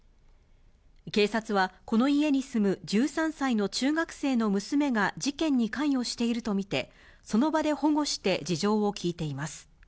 警察は、この家に住む１３歳の中学生の娘が事件に関与していると見て、その場で保護して、事情を聴いています。